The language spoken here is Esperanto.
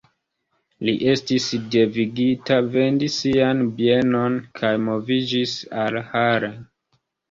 Li estis devigita vendi sian bienon kaj moviĝis al Hall.